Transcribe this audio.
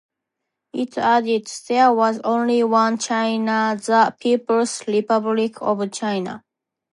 It added, there was only one China, the People's Republic of China.